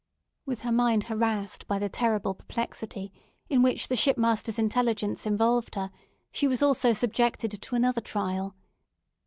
With her mind harassed by the terrible perplexity in which the shipmaster's intelligence involved her, she was also subjected to another trial.